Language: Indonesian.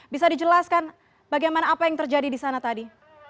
bisa dijelaskan bagaimana apa yang terjadi di sana tadi